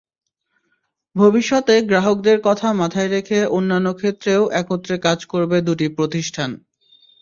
ভবিষ্যতে গ্রাহকদের কথা মাথায় রেখে অন্যান্য ক্ষেত্রেও একত্রে কাজ করবে দুটি প্রতিষ্ঠান।